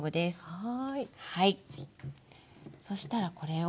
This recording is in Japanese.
はい。